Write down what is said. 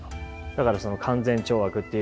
だから勧善懲悪っていう